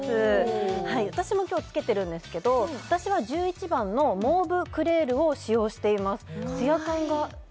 はい私も今日つけてるんですけど私は１１番のモーブクレールを使用していますかわいい！